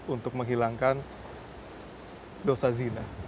untuk menghilangkan dosa zina